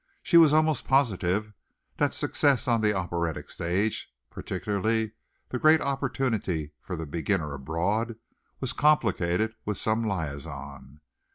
She was almost positive that success on the operatic stage particularly the great opportunity for the beginner abroad was complicated with some liaison.